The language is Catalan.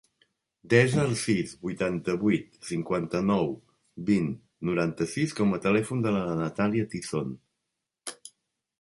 Desa el sis, vuitanta-vuit, cinquanta-nou, vint, noranta-sis com a telèfon de la Natàlia Tizon.